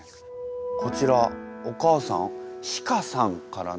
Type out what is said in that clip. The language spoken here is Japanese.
こちらお母さんシカさんからの手紙。